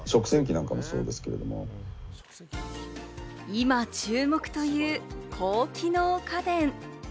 今、注目という高機能家電。